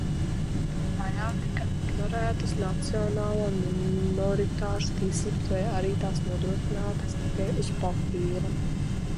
Tajā tika ignorētas nacionālo minoritāšu tiesības vai arī tās nodrošinātas tikai uz papīra.